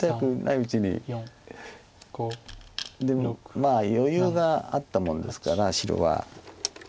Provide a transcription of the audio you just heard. まあ余裕があったもんですから白は。